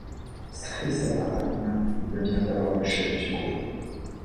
Sri Sabaratnam devient alors le chef du groupe.